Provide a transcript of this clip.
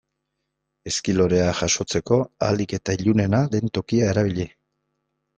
Ezki lorea jasotzeko ahalik eta ilunena den tokia erabili.